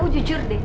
kamu jujur deh